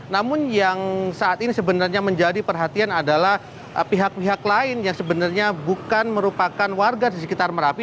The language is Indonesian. namun yang saat ini sebenarnya menjadi perhatian adalah pihak pihak lain yang sebenarnya bukan merupakan warga di sekitar merapi